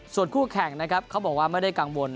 ส่วนคู่แข่งนะครับเขาบอกว่าไม่ได้กังวล